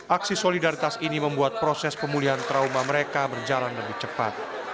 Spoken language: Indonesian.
aksi solidaritas ini membuat proses pemulihan trauma mereka berjalan lebih cepat